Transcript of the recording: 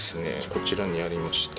こちらにありまして。